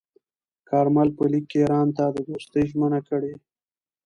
کارمل په لیک کې ایران ته د دوستۍ ژمنه کړې.